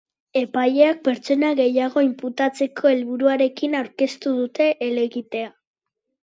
Epaileak pertsona gehiago inputatzeko helburuarekin aurkeztu dute helegitea.